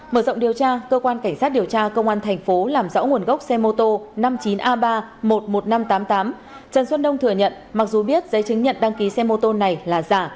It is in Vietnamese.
mở rộng điều tra cơ quan cảnh sát điều tra công an thành phố làm rõ nguồn gốc xe mô tô năm mươi chín a ba một mươi một nghìn năm trăm tám mươi tám trần xuân đông thừa nhận mặc dù biết giấy chứng nhận đăng ký xe mô tô này là giả